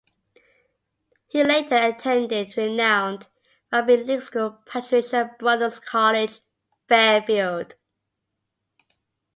He later attended renowned rugby league school Patrician Brothers College, Fairfield.